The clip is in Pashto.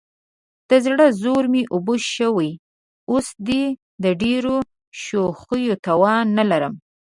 د زړه زور مې اوبه شوی، اوس دې د ډېرو شوخیو توان نه لرم.